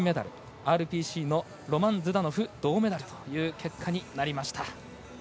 ＲＰＣのロマン・ズダノフ銅メダルという結果になりました。